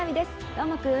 どーもくん！